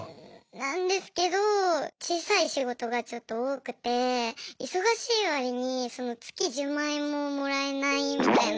なんですけど小さい仕事がちょっと多くて忙しい割に月１０万円ももらえないみたいなことが。